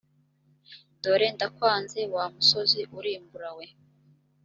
dore ndakwanze wa musozi urimbura we